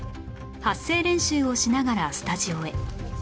発声練習をしながらスタジオへ